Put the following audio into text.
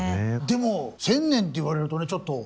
でも１０００年って言われるとねちょっと。